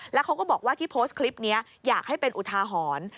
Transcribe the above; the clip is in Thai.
แล้วเขาก็บอกว่าที่โพสต์คลิปนี้อยากให้เป็นอุทาหรณ์